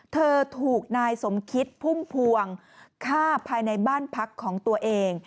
เธอถูกนายสมคิดพุ่มพวงฆ่าภายในบ้านพักของตัวเอง